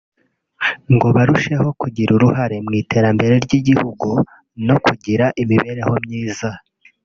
ngo barusheho kugira uruhare mu iterambere ry’igihugu no kugira imibereho myiza